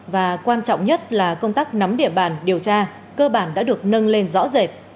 và quan trọng nhất là công tác nắm địa bàn điều tra cơ bản đã được nâng lên rõ rệt